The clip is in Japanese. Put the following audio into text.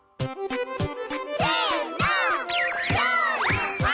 せの！